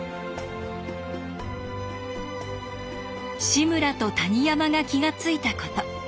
志村と谷山が気が付いたこと。